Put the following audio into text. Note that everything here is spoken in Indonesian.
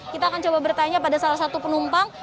kita akan coba bertanya pada salah satu penumpang